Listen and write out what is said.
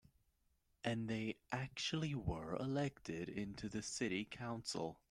And they actually were elected into the city council.